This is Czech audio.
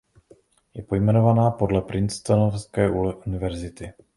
Je pojmenovaná podle Princetonské univerzity.